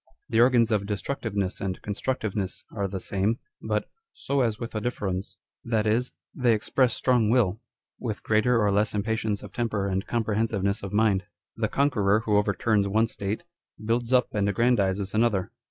The organs of dcslructiveness and const rudiveness are the same, but " so as with a difference " â€" that is, they express strong will, with greater or less impatience of temper and comprehensiveness of mind. The conqueror who over turns one state, builds up and aggrandises another.